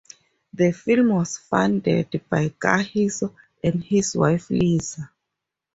The film was funded by Kagiso and his wife Liza.